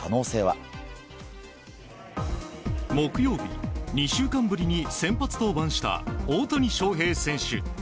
木曜日、２週間ぶりに先発登板した大谷翔平選手。